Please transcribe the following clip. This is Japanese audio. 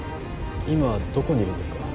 今どこにいるんですか？